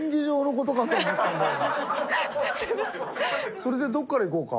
それでどこからいこうか？